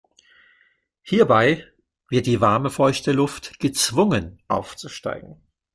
Hierbei wird die warme, feuchte Luft gezwungen, aufzusteigen.